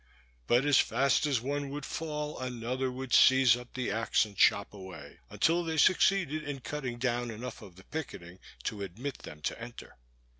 But as fast as one would fall, another would seize up the axe and chop away, until they succeeded in cutting down enough of the picketing to admit them to enter.